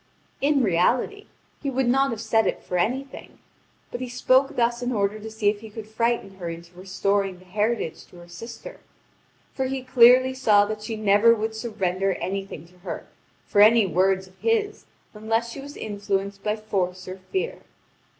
In reality, he would not have said it for anything; but he spoke thus in order to see if he could frighten her into restoring the heritage to her sister; for he clearly saw that she never would surrender anything to her for any words of his unless she was influenced by force or fear.